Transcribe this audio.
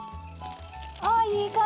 ああいい感じに。